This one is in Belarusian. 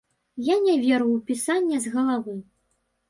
Я не веру ў пісанне з галавы.